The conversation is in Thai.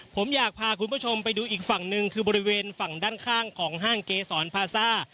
ผมอยากพาคุณผู้ชมไปดูอีกฝั่งหนึ่งคือบริเวณฝั่งด้านข้างของห้างเกษรพาซ่า